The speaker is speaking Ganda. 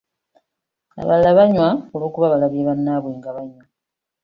Abalala banywa olw’okuba balabye bannaabwe nga banywa.